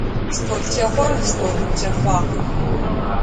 Столтехъор столым техъуагъ.